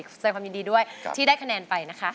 แสดงความยินดีด้วยที่ได้คะแนนไปนะคะ